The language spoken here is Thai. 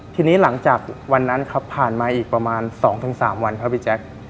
ทีนี้หลังจากวันนั้นครับผ่านมาอีกประมาณ๒๓วันครับพี่แจ๊ค